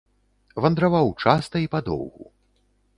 Вандраваў часта і падоўгу.